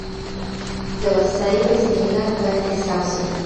د وسايلو استهلاک بايد حساب سي.